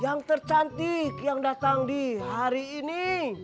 yang tercantik yang datang di hari ini